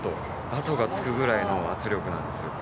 跡がつくぐらいの圧力なんですよ。